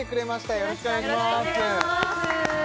よろしくお願いします